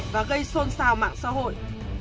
và gây xôn xào mạng xã hội